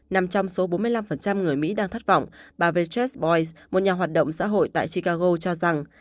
nằm trong số bốn mươi năm người mỹ đang thất vọng bà vechest boice một nhà hoạt động xã hội tại chicago cho rằng